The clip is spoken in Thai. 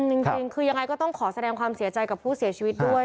จริงคือยังไงก็ต้องขอแสดงความเสียใจกับผู้เสียชีวิตด้วย